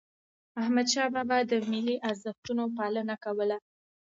احمد شاه بابا د ملي ارزښتونو پالنه کوله.